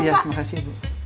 iya terima kasih